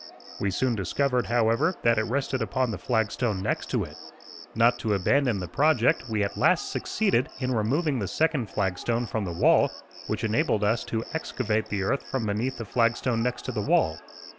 We soon discovered, however, that it rested upon the flag stone next to it. Not to abandon the project, we at last succeeded in removing the second flag stone from the wall, which enabled us to excavate the earth from beneath the flag stone next to the wall.